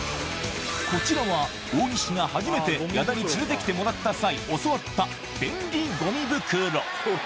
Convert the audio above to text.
こちらは大西が初めて矢田に連れてきてもらった際教わった便利ゴミ袋